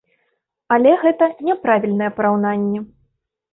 Але гэта няправільнае параўнанне.